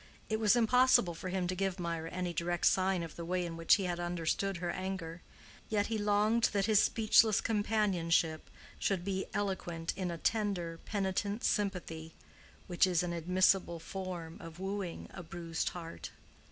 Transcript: It was impossible for him to give Mirah any direct sign of the way in which he had understood her anger, yet he longed that his speechless companionship should be eloquent in a tender, penitent sympathy which is an admissible form of wooing a bruised heart.